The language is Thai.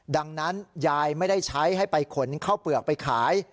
ดังนั้นยายไม่ได้ใช้ให้ไปขนข้าวเปลือกไปขาย